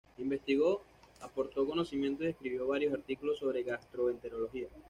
Investigó, aportó conocimientos y escribió varios artículos sobre gastroenterología.